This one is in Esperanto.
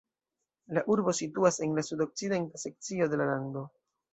La urbo situas en la sudokcidenta sekcio de la lando.